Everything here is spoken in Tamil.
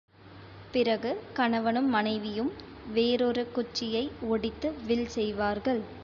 பிறகு கணவனும் மனைவியும் வேறொரு குச்சியை ஒடித்து வில் செய்வார்கள்.